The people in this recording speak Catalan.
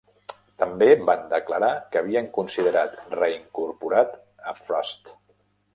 També van declarar que havien considerat reincorporar a Frost.